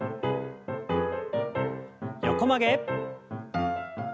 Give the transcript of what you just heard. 横曲げ。